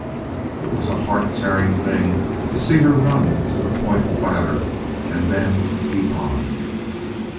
It was a heart tearing thing to see her run to the point of lather and then keep on.